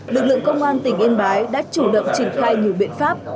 lực lượng công an tình yên bái đã chủ động trình khai nhiều biện pháp